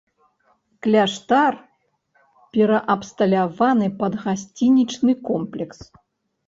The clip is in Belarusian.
Кляштар пераабсталяваны пад гасцінічны комплекс.